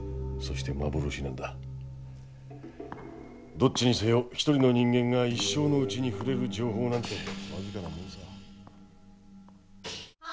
どっちにせよ一人の人間が一生のうちに触れる情報なんて僅かなもんさ。